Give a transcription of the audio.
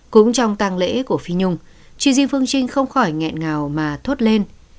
cũng trong tàng lễ của phi nhung tri di phương trinh không khỏi ngẹn ngào mà thốt lên